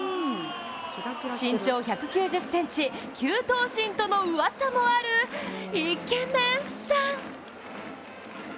身長１９０ｃｍ、９頭身とのうわさもあるイケメンさん。